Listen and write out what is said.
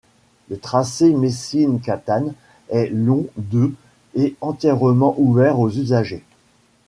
Le tracé Messine-Catane est long de et entièrement ouvert aux usagers.